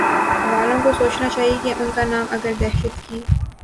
والوں کو سوچنا چاہیے کہ ان کانام اگر دہشت کی